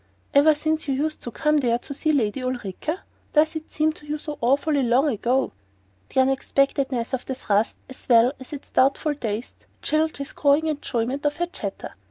"Ever since you used to come there to see Lady Ulrica? Does it seem to you so awfully long ago?" The unexpectedness of the thrust as well as its doubtful taste chilled his growing enjoyment of her chatter.